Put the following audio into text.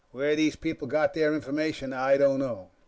Where these people got their information, I don't know.